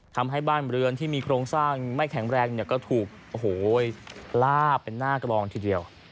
ทำให้บ้านบริเวณที่มีโครงสร้างไม่แข็งแรงก็ถูกหลาบเป็นหน้ากระบองทีเดียว